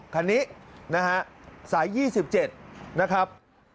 คันนี้นะฮะสาย๒๗นะครับ